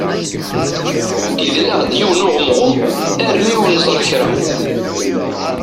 Idel-aɣ-d yiwen uɣemɣum armi ur nẓerr kra.